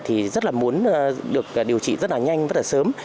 thì rất là muốn được điều trị rất là nhanh rất là sớm